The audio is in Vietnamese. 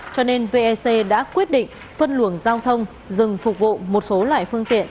cho nên vec đã quyết định phân luồng giao thông dừng phục vụ một số loại phương tiện